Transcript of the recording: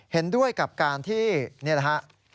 เห็นด้วยกับการที่นี่แหละฮะ